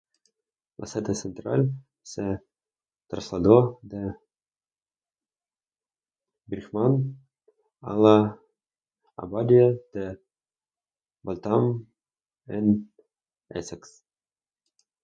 La sede central se trasladó de Birmingham a la Abadía de Waltham en Essex.